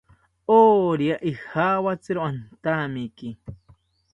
Orya ijawatziro antamiki